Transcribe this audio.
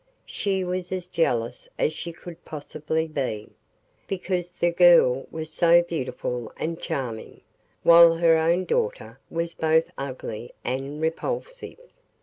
She was as jealous as she could possibly be, because the girl was so beautiful and charming, while her own daughter was both ugly and repulsive.